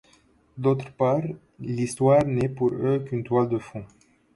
D’autre part, l’histoire n’est pour eux qu’une toile de fond.